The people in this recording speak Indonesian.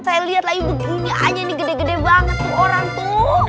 saya lihat lagi begini aja ini gede gede banget tuh orang tuh